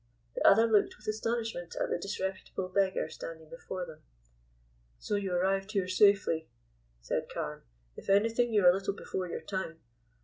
The other looked with astonishment at the disreputable beggar standing before them. "So you arrived here safely," said Carne. "If anything you're a little before your time.